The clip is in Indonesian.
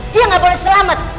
dia gak boleh selamat